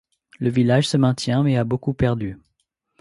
Le village se maintient mais a beaucoup perdu.